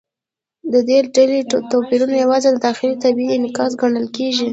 د دې ډلې توپیرونه یوازې د داخلي طبیعت انعکاس ګڼل کېږي.